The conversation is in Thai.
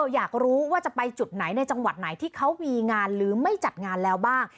อยากรู้ว่าจะไปจุดไหนในจังหวัดไหนที่เขามีงานหรือไม่จัดงานแล้วบ้าง